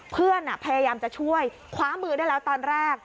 พยายามจะช่วยคว้ามือได้แล้วตอนแรก